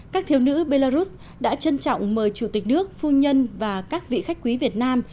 các thiếu nữ belarus đã trân trọng mời chủ tịch nước phu nhân và các vị khách quý việt nam